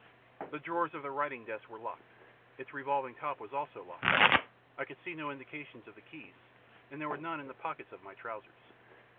The drawers of the writing desk were locked. Its revolving top was also locked. I could see no indications of the keys, and there were none in the pockets of my trousers.